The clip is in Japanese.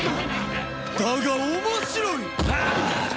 だが面白い！